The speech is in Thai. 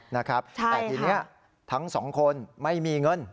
แต่ทีนี้ทั้งสองคนไม่มีเงิน